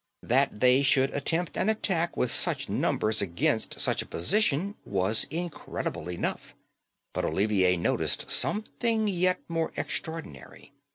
"That they should attempt an attack with such numbers against such a position was incredible enough; but Olivier noticed something yet more extraordinary.